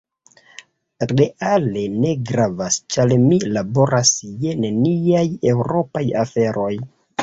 Reale ne gravas, ĉar mi laboras je neniaj eŭropaj aferoj.